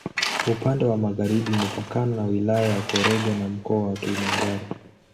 Upande wa magharibi imepakana na Wilaya ya Korogwe na Mkoa wa Kilimanjaro.